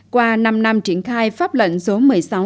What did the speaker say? qua năm năm triển khai pháp lệnh số một mươi sáu